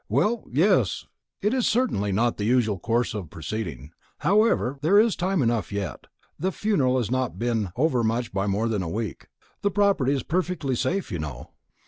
"Well, yes, it is certainly not the usual course of proceeding. However, there is time enough yet. The funeral has not been over much more than a week. The property is perfectly safe, you know."